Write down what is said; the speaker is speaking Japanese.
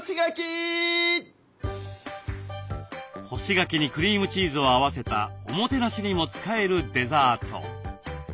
干し柿にクリームチーズを合わせたおもてなしにも使えるデザート。